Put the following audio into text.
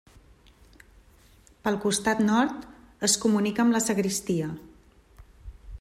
Pel costat nord es comunica amb la sagristia.